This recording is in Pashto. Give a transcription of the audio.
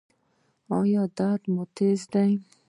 ایا درد مو تېز دی؟